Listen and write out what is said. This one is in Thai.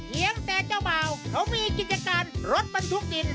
ยังแต่เจ้าบ่าวเขามีกิจการรถบรรทุกดิน